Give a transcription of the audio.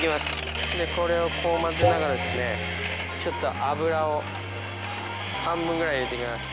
これをこう混ぜながらちょっと油を半分ぐらい入れて行きます。